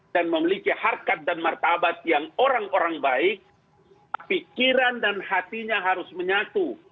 dan memiliki harkat dan martabat yang orang orang baik pikiran dan hatinya harus menyatu